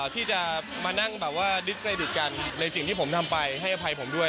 ที่จะมานั่งแบบว่าดิสเครดิตกันในสิ่งที่ผมทำไปให้อภัยผมด้วย